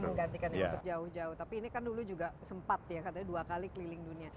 ini yang ingin menggantikan untuk jauh jauh tapi ini kan dulu juga sempat ya katanya dua kali keliling dunia